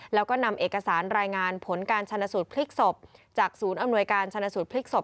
แล้วก็นำเอกสารรายงานผลการชนะสูตรพลิกศพจากศูนย์อำนวยการชนะสูตรพลิกศพ